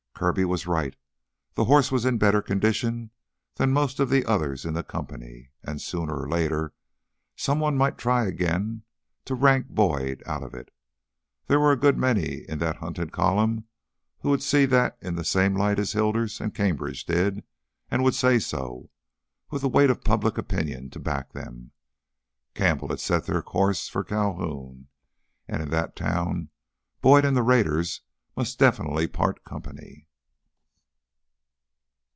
Kirby was right, the horse was in better condition than most of the others in the company, and sooner or later someone might again try to rank Boyd out of it. There were a good many in that hunted column who would see that in the same light as Hilders and Cambridge did and would say so, with the weight of public opinion to back them. Campbell had set their course for Calhoun and in that town Boyd and the raiders must definitely part company.